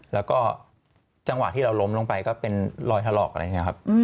แล้วก็จังหวะที่เราล้มลงไปก็เป็นรอยถลอกอะไรอย่างนี้ครับ